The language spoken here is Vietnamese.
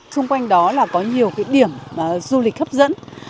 xung quanh đó là có nhiều điểm du lịch hấp dẫn